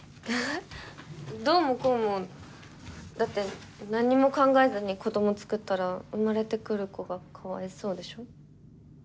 どうもこうもだって何にも考えずに子どもつくったら生まれてくる子がかわいそうでしょ？